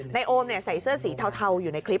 โอมใส่เสื้อสีเทาอยู่ในคลิป